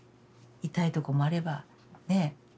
痛いとこもあればねえ